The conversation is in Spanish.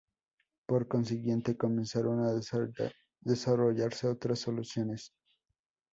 Por consiguiente, comenzaron a desarrollarse otras soluciones.